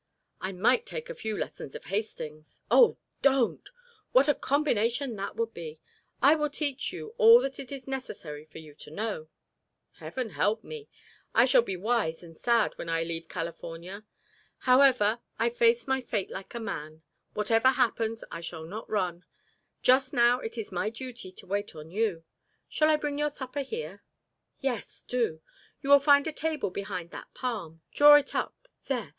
I might take a few lessons of Hastings " "Oh, don't! What a combination that would be! I will teach you all that it is necessary for you to know." "Heaven help me. I shall be wise and sad when I leave California. However, I face my fate like a man; whatever happens, I shall not run. Just now it is my duty to wait on you. Shall I bring your supper here?" "Yes do. You will find a table behind that palm. Draw it up. There.